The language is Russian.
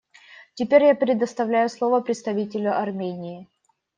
Теперь я предоставляю слово представителю Армении.